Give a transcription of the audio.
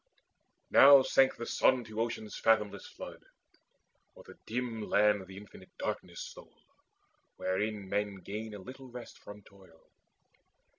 Now sank the sun to Ocean's fathomless flood: O'er the dim land the infinite darkness stole, Wherein men gain a little rest from toil.